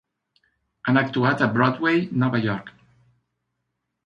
Han actuat a Broadway, Nova York.